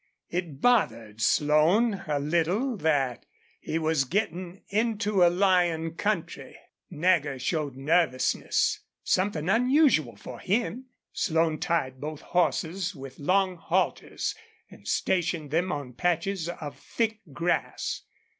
It bothered Slone a little that he was getting into a lion country. Nagger showed nervousness, something unusual for him. Slone tied both horses with long halters and stationed them on patches of thick grass.